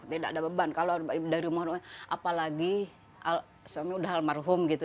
tidak ada beban kalau dari rumah rumah apalagi suami udah almarhum gitu